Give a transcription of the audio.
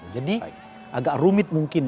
jadi agak rumit mungkin